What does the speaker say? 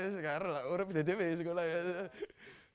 sekarang lah urap di dtp sekolah ya